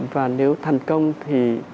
và nếu thành công thì